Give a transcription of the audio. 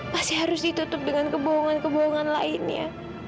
masih harus ditutup dengan kebohongan kebohongan lainnya